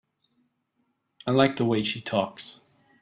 I like the way she talks.